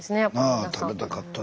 なあ食べたかったな。